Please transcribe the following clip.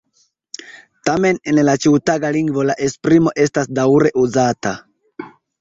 Tamen en la ĉiutaga lingvo la esprimo estas daŭre uzata.